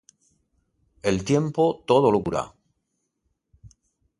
El tiempo todo lo cura